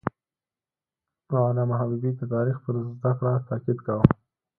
علامه حبیبي د تاریخ پر زده کړه تاکید کاوه.